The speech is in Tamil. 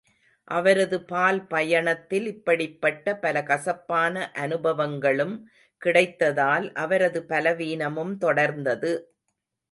அவரது பால்பயணத்தில் இப்படிப்பட்ட பல கசப்பான அநுபவங்களும் கிடைத்ததால், அவரது பலவீனமும் தொடர்ந்தது.